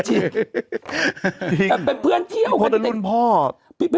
แต่เป็นเพื่อนเที่ยวกันเต็มพ่อ